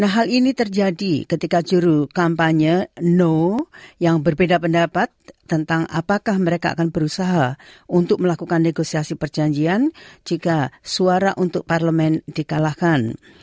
hal ini terjadi ketika juru kampanye no yang berbeda pendapat tentang apakah mereka akan berusaha untuk melakukan negosiasi perjanjian jika suara untuk parlemen dikalahkan